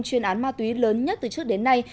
chuyên án ma túy lớn nhất từ trước đến nay